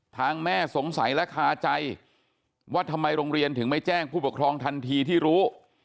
ทางแม่สงสัยและคาใจว่าทำไมโรงเรียนถึงไม่แจ้งผู้ปกครองทันทีที่รู้